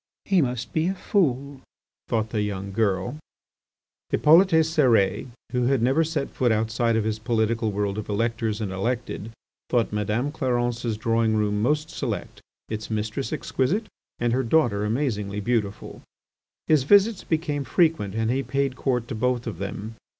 "He must be a fool," thought the girl. Hippolyte Cérès, who had never set foot outside of his political world of electors and elected, thought Madame Clarence's drawing room most select, its mistress exquisite, and her daughter amazingly beautiful. His visits became frequent and he paid court to both of them.